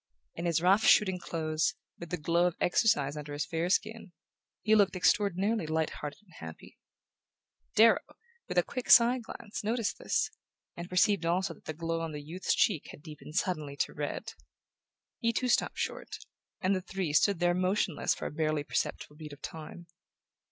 In his rough shooting clothes, with the glow of exercise under his fair skin, he looked extraordinarily light hearted and happy. Darrow, with a quick side glance, noticed this, and perceived also that the glow on the youth's cheek had deepened suddenly to red. He too stopped short, and the three stood there motionless for a barely perceptible beat of time.